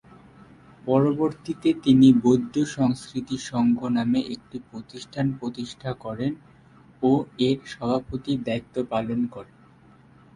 পরবর্তিতে তিনি ‘বৌদ্ধ সংস্কৃতি সঙ্ঘ’ নামে একটি প্রতিষ্ঠান প্রতিষ্ঠা করেন ও এর সভাপতির দায়িত্ব পালন করেন।